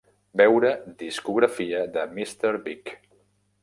"Veure: Discografia de Mr. Big"